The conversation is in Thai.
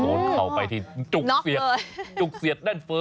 เข้าไปที่จุกเสียดจุกเสียดแน่นเฟ้อ